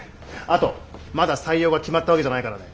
あとまだ採用が決まったわけじゃないからね。